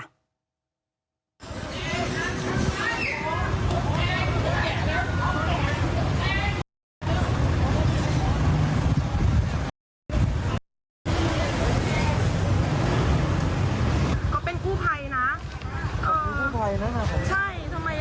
ก็เป็นคู่ภัยนะเอ่อคู่ภัยนะใช่ทำไมแล้วทำอย่างเงี้ย